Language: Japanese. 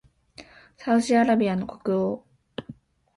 サウジアラビアの国王